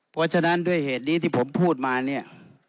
เพราะฉะนั้นด้วยเหตุนี้ที่ผมพูดมาเนี่ย